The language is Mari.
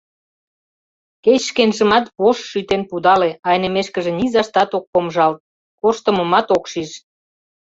Кеч шкенжымат вошт шӱтен пудале — айнымешкыже низаштат ок помыжалт, корштымымат ок шиж.